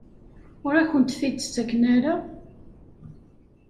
Ur akent-t-id-ttaken ara?